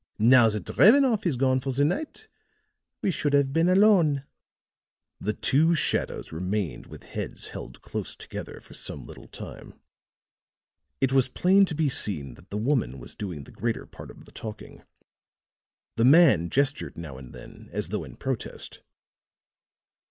"Now that Drevenoff is gone for the night, we should have been alone." The two shadows remained with heads held close together for some little time. It was plain to be seen that the woman was doing the greater part of the talking; the man gestured now and then as though in protest.